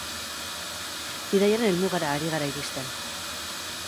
Bidaiaren helmugara ari gara iristen.